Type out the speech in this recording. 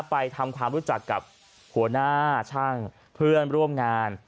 ไปคร้ามรู้จักกับผัวหน้าช่างพื้นร่วมงาน